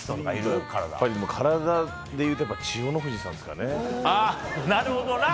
やっぱり体でいうと千代の富士さんですかね。